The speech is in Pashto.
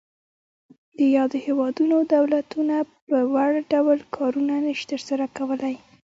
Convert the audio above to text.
د یادو هیوادونو دولتونه په وړ ډول کارونه نشي تر سره کولای.